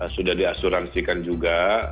sudah diasuransikan juga